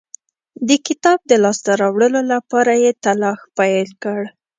د کتاب د لاسته راوړلو لپاره یې تلاښ پیل کړ.